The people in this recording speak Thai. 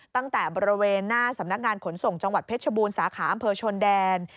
ตั้งแต่บริเวณหน้าสำนักงานขนส่งจังหวัดเพชรบูรณสาขาอำเภอชนแดน